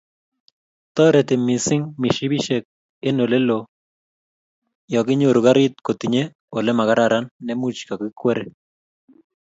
toreti mising mishipishek eng oleloo yoginyoru karit kotinye ole magararan ne muuch kakikwere